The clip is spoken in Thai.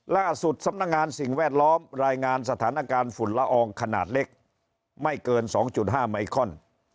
ล่าสุดสำนักงานสิ่งแวดล้อมรายงานสถานการณ์ฝุ่นละอองขนาดเล็กไม่เกิน๒๕ไมคอน